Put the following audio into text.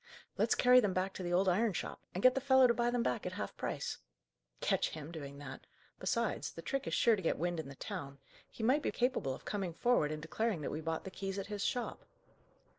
"Let's carry them back to the old iron shop, and get the fellow to buy them back at half price!" "Catch him doing that! Besides, the trick is sure to get wind in the town; he might be capable of coming forward and declaring that we bought the keys at his shop."